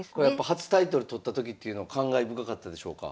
初タイトル取った時っていうのは感慨深かったでしょうか？